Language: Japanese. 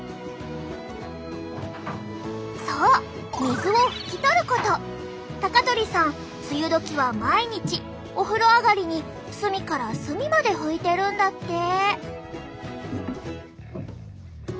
そう高鳥さん梅雨時は毎日お風呂上がりに隅から隅まで拭いてるんだって。